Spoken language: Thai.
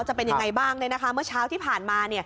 จะเป็นยังไงบ้างเมื่อเช้าที่ผ่านมา